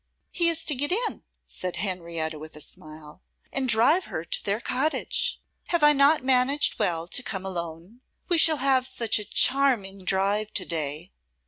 'He is to get in,' said Henrietta with a smile, and drive her to their cottage. Have I not managed well to come alone? We shall have such a charming drive to day.